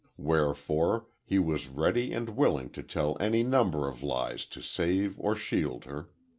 Wherefore, he was ready and willing to tell any number of lies to save or shield her.